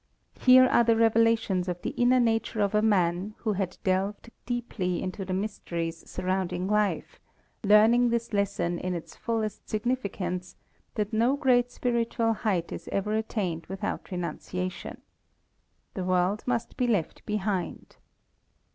Here are revelations of the inner nature of a man who had delved deeply into the mysteries surrounding life, learning this lesson in its fullest significance, that no great spiritual height is ever attained without renunciation. The world must be left behind.